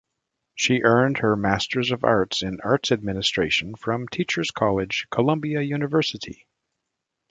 She earned her Masters of Arts in Arts Administration from Teachers College, Columbia University.